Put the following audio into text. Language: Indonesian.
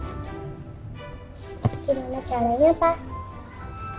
gimana caranya pak